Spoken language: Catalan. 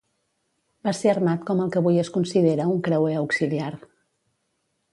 Va ser armat com el que avui es considera un creuer auxiliar.